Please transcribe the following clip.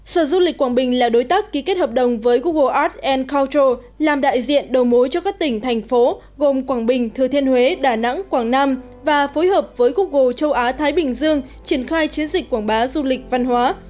sở du lịch quảng bình là đối tác ký kết hợp đồng với google arts culture làm đại diện đầu mối cho các tỉnh thành phố gồm quảng bình thừa thiên huế đà nẵng quảng nam và phối hợp với google châu á thái bình dương triển khai chiến dịch quảng bá du lịch văn hóa